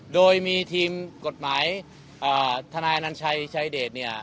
โดยมีทีมกฎหมายทนายอนัญชัยชายเดชเนี่ย